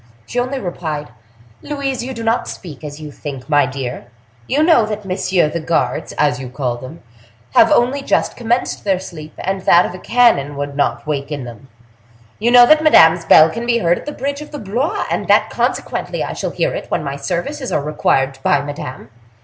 She only replied: "Louise, you do not speak as you think, my dear; you know that messieurs the guards, as you call them, have only just commenced their sleep, and that a cannon would not waken them; you know that Madame's bell can be heard at the bridge of Blois, and that consequently I shall hear it when my services are required by Madame.